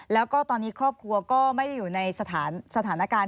แล้วก็ตอนนี้ครอบครัวก็ไม่ได้อยู่ในสถานการณ์